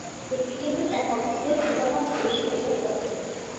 একটি কেন্দ্রীয় প্ল্যাটফর্ম উভয় দিকে চলমান ট্রেন পরিষেবা প্রদান করে।